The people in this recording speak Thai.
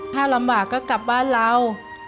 ถ้าลำบากก็กลับบ้านเรา